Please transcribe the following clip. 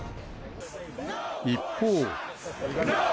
一方。